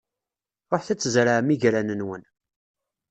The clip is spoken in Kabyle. Ṛuḥet ad tzerɛem igran-nwen.